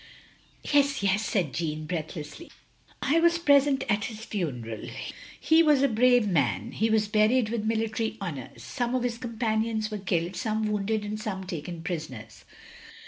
"Yes, yes," said Jeanne, breathlessly. "I was present at his fimeral. He was a brave man. He was buried with military honours. Some of his companions were killed, some wounded and some taken prisoners.